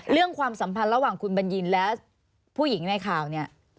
ความสัมพันธ์ระหว่างคุณบัญญินและผู้หญิงในข่าวเนี่ย